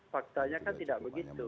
faktanya kan tidak begitu